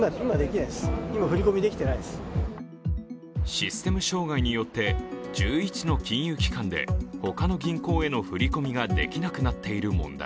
システム障害によって１１の金融機関で他の銀行への振り込みができなくなっている問題。